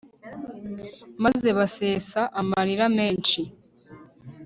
maze basesa amarira menshi